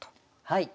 はい。